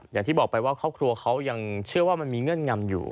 อย่างที่บอกไปว่าครอบครัวเขายังเชื่อว่ามันมีเงื่อนงำอยู่